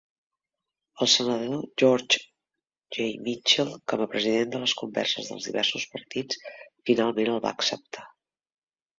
El senador George J. Mitchell, com a president de les converses dels diversos partits, finalment el va acceptar.